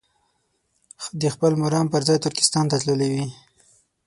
د خپل مرام پر ځای ترکستان ته تللي وي.